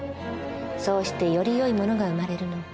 そうしてよりよいものが生まれるの。